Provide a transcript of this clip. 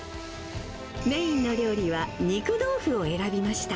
メインの料理は肉豆腐を選びました。